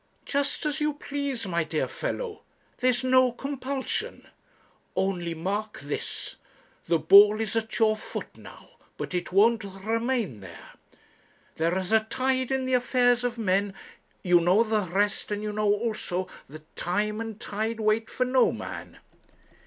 'Just as you please, my dear fellow; there's no compulsion. Only mark this; the ball is at your foot now, but it won't remain there. 'There is a tide in the affairs of men' you know the rest; and you know also that 'tide and time wait for no man.'